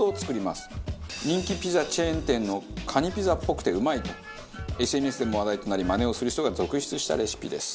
人気ピザチェーン店のカニピザっぽくてうまいとＳＮＳでも話題となりまねをする人が続出したレシピです。